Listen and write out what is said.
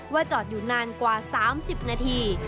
จอดอยู่นานกว่า๓๐นาที